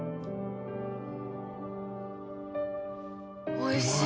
おいしい！